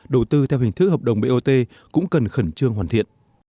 đầu tư theo hình thức hợp đồng bot cũng cần khẩn trương hoàn thiện